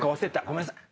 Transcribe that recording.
ごめんなさい。